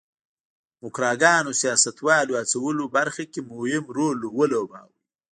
موکراکانو سیاستوالو هڅولو برخه کې مهم رول ولوباوه.